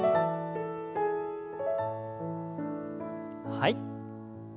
はい。